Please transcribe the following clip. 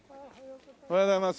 おはようございます。